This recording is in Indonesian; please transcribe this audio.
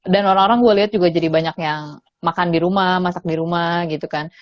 orang orang gue liat juga jadi banyak yang makan di rumah masak di rumah gitu kan